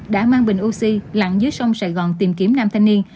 đã mang bình oxy lặn dưới sông sài gòn tìm kiếm năm thanh niên